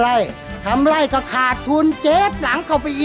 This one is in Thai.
หัยฯทิศภาพก็ขาดทุน